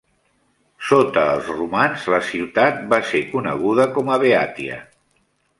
Sota els romans, la ciutat va ser coneguda com a Beatia.